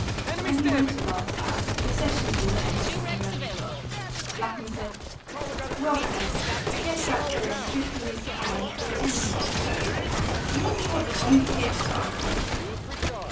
When he went at last, the session did not end till eleven o'clock, Lapham said, "Well, Pert, I guess that fellow's fifty years behind, or ten years ahead. I wonder what the Ongpeer style is?"